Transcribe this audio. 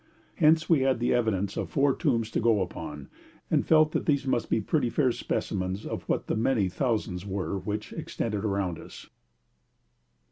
Hence we had the evidence of four tombs to go upon, and felt that these must be pretty fair specimens of what the many thousands were which extended around us.